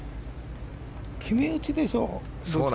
決め打ちでしょ。